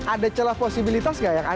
ada celah posibilitas gak